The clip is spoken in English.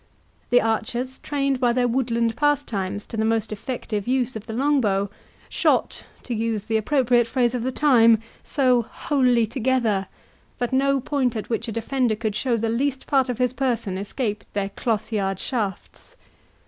The archers, trained by their woodland pastimes to the most effective use of the long bow, shot, to use the appropriate phrase of the time, so "wholly together," that no point at which a defender could show the least part of his person, escaped their cloth yard shafts.